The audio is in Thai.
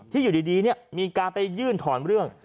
ที่อยู่ดีมีการไปยื่นถอนเรื่อง